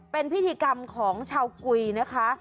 เป็นพิธีกรรมของชาวกุยนะคะ